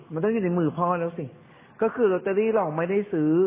มันต้องอยู่ในมือพ่อแล้วสิก็คือลอตเตอรี่เราไม่ได้ซื้อ